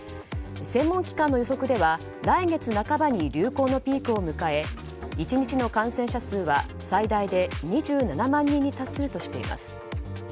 専門機関の予測では来月半ばに流行のピークを迎え１日の感染者数は最大で２７万人に達するとしています。